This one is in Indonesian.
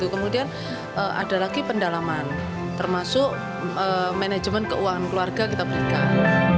kemudian ada lagi pendalaman termasuk manajemen keuangan keluarga kita berikan